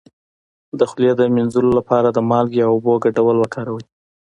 د خولې د مینځلو لپاره د مالګې او اوبو ګډول وکاروئ